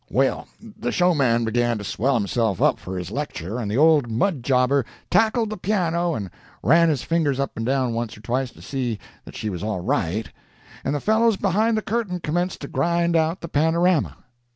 "Well, the showman began to swell himself up for his lecture, and the old mud Jobber tackled the piano and ran his fingers up and down once or twice to see that she was all right, and the fellows behind the curtain commenced to grind out the panorama.